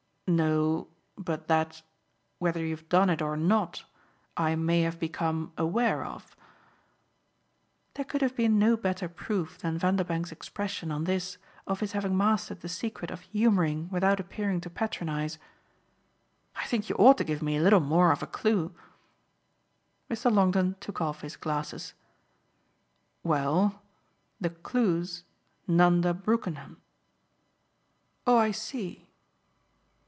"No, but that whether you've done it or not I may have become aware of." There could have been no better proof than Vanderbank's expression, on this, of his having mastered the secret of humouring without appearing to patronise. "I think you ought to give me a little more of a clue." Mr. Longdon took off his glasses. "Well the clue's Nanda Brookenham." "Oh I see."